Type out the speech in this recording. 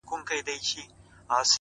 درته دعاوي هر ماښام كومه ـ